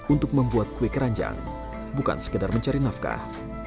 untuk membuat kue keranjang bukan sekedar mencari nafkah